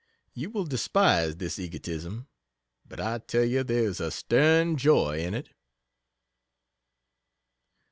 You will despise this egotism, but I tell you there is a "stern joy" in it.....